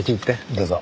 どうぞ。